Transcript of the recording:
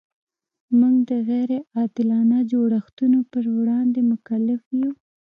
موږ د غیر عادلانه جوړښتونو پر وړاندې مکلف یو.